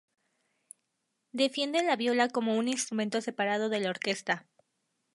Defiende la viola como un instrumento separado de la orquesta.